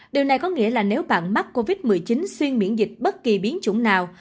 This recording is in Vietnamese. điều này có nghĩa là nếu bạn mắc covid một mươi chín xuyên miễn dịch bất kỳ biến chủng nào